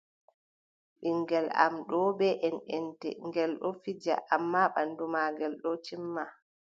Ɓinngel am ɗon bee enʼente, ngel ɗon fija ammaa ɓanndu maagel ɗon timma.